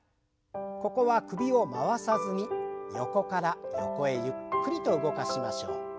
ここは首を回さずに横から横へゆっくりと動かしましょう。